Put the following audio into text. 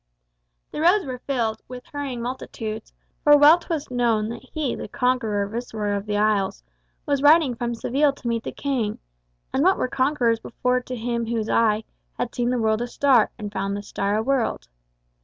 The roads were filled With hurrying multitudes. For well 'twas known That he, the conqueror, viceroy of the isles, Was riding from Seville to meet the king. And what were conquerors before to him whose eye Had seen the world a star, and found the star a world?